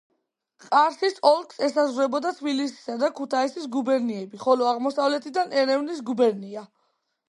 ყარსის ოლქს ესაზღვრებოდა თბილისისა და ქუთაისის გუბერნიები, ხოლო აღმოსავლეთიდან ერევნის გუბერნია.